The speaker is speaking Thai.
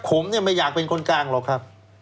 ผมไม่อยากเป็นคนกล้างหรอกครับ